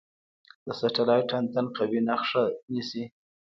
د سټلایټ انتن قوي نښه نیسي.